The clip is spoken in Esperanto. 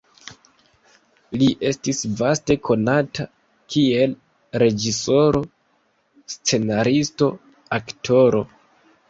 Li estis vaste konata kiel reĝisoro, scenaristo, aktoro.